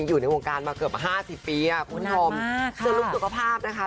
อยู่ในวงการมาเกือบห้าสิบปีอ่ะคุณธรรมมากค่ะสรุปสุขภาพนะคะ